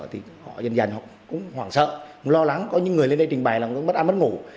thì họ dần dần họ cũng hoảng sợ lo lắng có những người lên đây trình bày là mất ăn mất ngủ